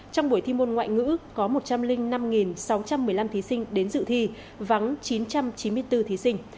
trong buổi thi môn ngoại ngữ có một trăm linh năm sáu trăm một mươi năm thí sinh đến dự thi vắng chín trăm chín mươi bốn thí sinh